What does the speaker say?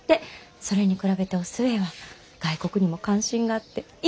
それに比べてお寿恵は外国にも関心があっていいって！